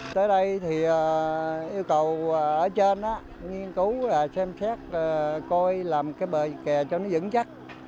tới đây thì yêu cầu ở trên đó nghiên cứu xem xét coi làm cái bờ kè cho nó dẫn chắc